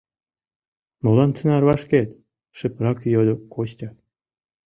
— Молан тынар вашкет? — шыпрак йодо Костя.